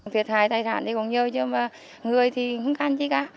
thiệt hại tài sản thì cũng nhiều chứ mà người thì không can chứ cả